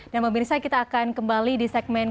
dan memirsa kita akan kembali di segmen